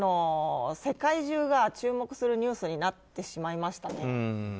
世界中が注目するニュースになってしまいましたね。